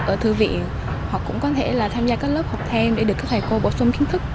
ở thư viện hoặc cũng có thể là tham gia các lớp học then để được các thầy cô bổ sung kiến thức